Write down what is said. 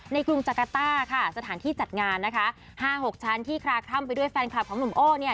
กรุงจักรต้าค่ะสถานที่จัดงานนะคะ๕๖ชั้นที่คลาคล่ำไปด้วยแฟนคลับของหนุ่มโอ้เนี่ย